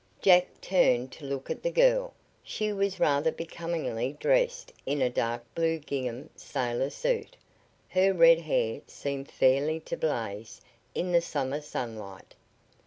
Jack turned to look at the girl. She was rather becomingly dressed in a dark blue gingham sailor suit. Her red hair seemed fairly to blaze in the summer sunlight.